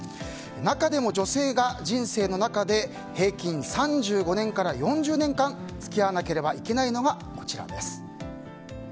中でも女性が人生の中で平均３５年から４０年間付き合わなければいけないのがこちらです。